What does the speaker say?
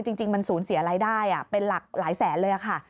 จริงมันสูญเสียรายได้เป็นหลักหลายแสนเลยค่ะ